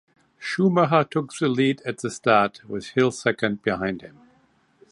Schumacher took the lead at the start, with Hill second behind him.